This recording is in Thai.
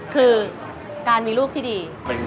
คือการมีลูกที่ดี